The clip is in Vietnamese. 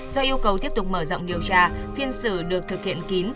do yêu cầu tiếp tục mở rộng điều tra phiên xử được thực hiện kín